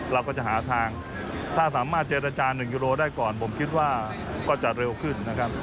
เราก็จะหาทางถ้าสามารถเจรจา๑กิโลได้ก่อนผมคิดว่าก็จะเร็วขึ้นนะครับ